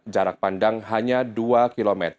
jarak pandang hanya dua km